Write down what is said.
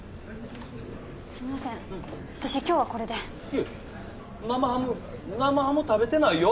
すいません私今日はこれでいや生ハム生ハム食べてないよ